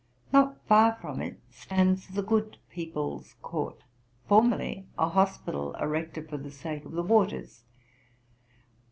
Not far from it stands the Good People's Court, formerly a hospital erected for the sake of the waters.